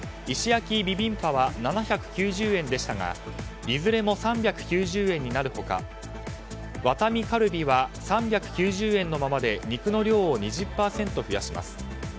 石焼ビビンパは７９０円でしたがいずれも３９０円になる他ワタミカルビは３９０円のままで肉の量を２０％増やします。